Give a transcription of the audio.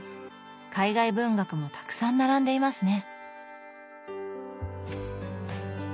海外文学もたくさん並んでいますね。